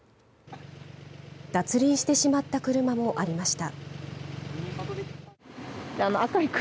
脱輪してしまった車もありました。